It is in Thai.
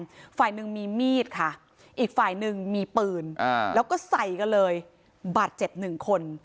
อีกฝ่ายหนึ่งมีมีดค่ะอีกฝ่ายหนึ่งมีปืนอ่าแล้วก็ใส่กันเลยบาดเจ็บหนึ่งคน